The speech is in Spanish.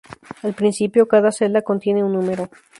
Al principio, cada celda contiene un número.